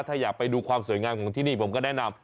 ถ้าอยากไปดูความสวยงามของที่นี่ผมก็แนะนำ